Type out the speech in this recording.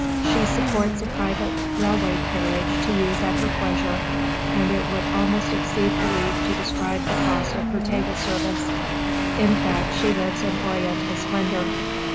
She supports a private railway carriage to use at her pleasure, and it would almost exceed belief to describe the cost of her table service; in fact, she lives in oriental splendor.